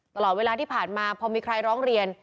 ตลอดเวลาที่ผ่านมาพอมีใครร้องเรียน